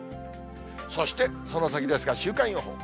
そしてその先ですが、週間予報。